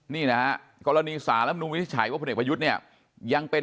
นี่นะกรณีสารรัฐธรรมนูมิทิศไฉว่าพนักประยุทธเนี่ยยังเป็น